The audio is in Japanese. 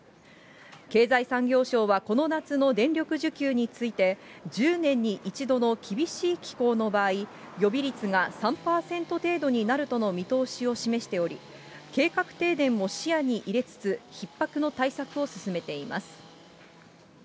経済産業省はこの夏の電力需給について、１０年に１度の厳しい気候の場合、予備率が３％程度になるとの見通しを示しており、計画停電も視野に入れつつ、ひっ迫の対策を進めています。